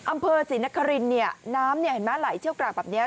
อำเภอศรีนครินเนี่ยน้ำเห็นไหมไหลเชี่ยวกรากแบบนี้